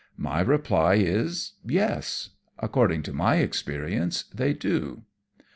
My reply is yes; according to my experience they do.